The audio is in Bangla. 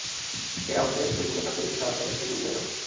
এই রাউন্ডে, যে কুকুর সবচেয়ে বেশি খাবার খাবে, সে-ই বিজয়ী হবে।